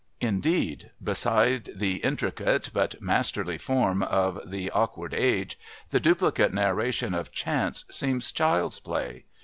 Indeed beside the intricate but masterly form of The Awkward Age the duplicate narration of Chance seems child's play.